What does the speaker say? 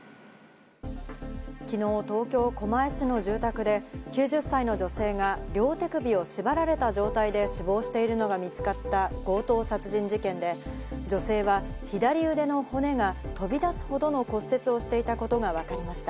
昨日、東京・狛江市の住宅で９０歳の女性が両手首を縛られた状態で死亡しているのが見つかった強盗殺人事件で、女性は左腕の骨が飛び出すほどの骨折をしていたことがわかりました。